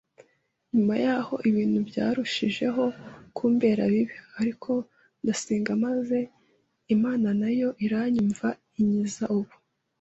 Nyuma y’aho, ibintu byarushijeho kumbera bibi ariko ndasenga maze Imana na yo iranyumva inkiza ub